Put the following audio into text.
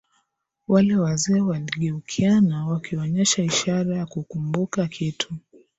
Wale wazee waligeukiana wakionyesha ishara ya kukumbuka kitu